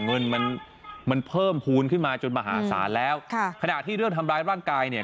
เงินมันมันเพิ่มภูมิขึ้นมาจนมหาศาลแล้วค่ะขณะที่เรื่องทำร้ายร่างกายเนี่ย